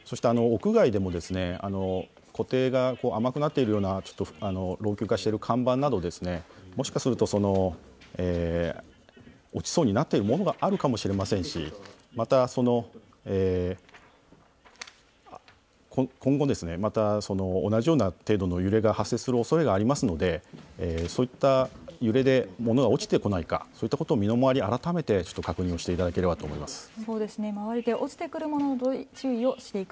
そして屋外でも固定が甘くなっているような老朽化している看板など、もしかすると落ちそうになっているものがあるかもしれませんですし、今後、同じような程度の揺れが発生するおそれがありますのでそういった揺れで物が落ちてこないかそういったことを身の回り、改めて確認をしていただければと思います。